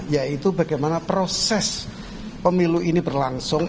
yaitu bagaimana proses pemilu ini berlangsung